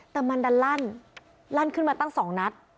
แต่มันดันลั่นลั่นขึ้นมาตั้ง๒นัด